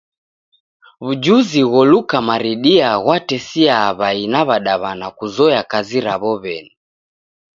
W'ujuzi gholuka maridia ghwatesiaa w'ai na w'adaw'ana kuzoya kazi raw'o w'eni.